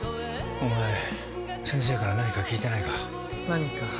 お前、先生から何か聞いてないか。